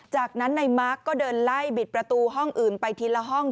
จากนั้นในมาร์คก็เดินไล่บิดประตูห้องอื่นไปทีละห้อง